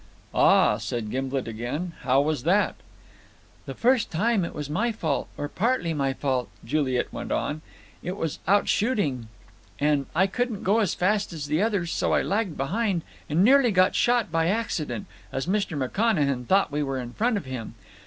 "Ah," said Gimblet again. "How was that?" "The first time it was my fault, or partly my fault," Juliet went on. "It was out shooting, and I couldn't go as fast as the others, so I lagged behind and nearly got shot by accident, as Mr. McConachan thought we were in front of him.